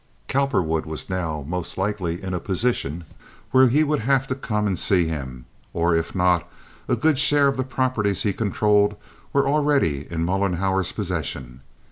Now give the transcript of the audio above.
Cowperwood was now most likely in a position where he would have to come and see him, or if not, a good share of the properties he controlled were already in Mollenhauer's possession.